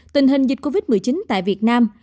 tình hình dịch covid một mươi chín tại việt nam